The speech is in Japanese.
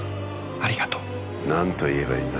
ありがとう何と言えばいいんだ